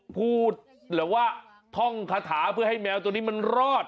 พูดแบบว่าท่องคาถาเพื่อให้แมวตัวนี้มันรอด